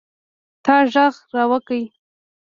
تا ږغ را وکړئ.